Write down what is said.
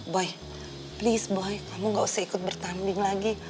boy please boy kamu gak usah ikut bertanding lagi